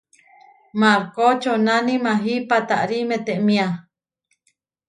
Markó čonaní maahí paatári metémia.